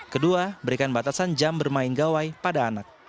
kedua berikan batasan jam bermain gawai pada anak